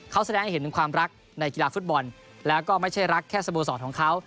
เขาแสดงให้เห็นถึงความรักในกีฬาฟุตบอลแล้วก็ไม่ใช่รักแค่สโมสรของเขา